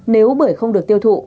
nếu bưởi không được tiêu thụ